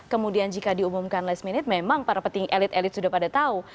kemudian jika diumumkan last minute memang para petinggi elit elit sudah pada tahu